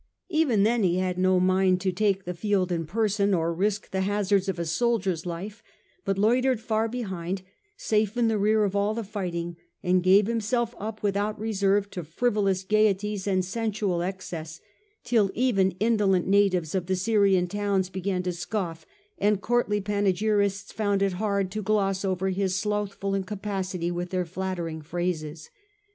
Even then he had no mind to take the field in person, or risk the hazards of a soldier's life, but loitered far behind, safe in the rear in spite of of all the fighting, and gave himself up with pa^ty^Jn^ out reserve to frivolous gaieties and sen sloth, his sual excess, till even indolent natives of the madrthe Syrian towns began to scoff, and courtly panegyrists found it hard to gloss over his peace, slothful incapacity with their flattering phrases.